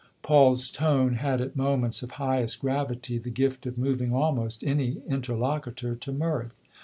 Paul's tone had at moments of highest gravit}' the gift of moving almost any interlocutor to mirth.